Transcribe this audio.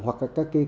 hoặc các cái cơ sở